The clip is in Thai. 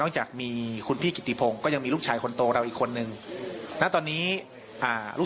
ป่อดให้ดีเหตุงานก็คืออยู่